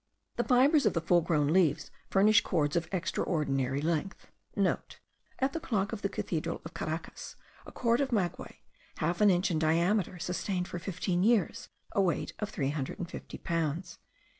The fibres of the full grown leaves furnish cords of extraordinary strength.* (* At the clock of the cathedral of Caracas, a cord of maguey, half an inch in diameter, sustained for fifteen years a weight of 350 pounds.)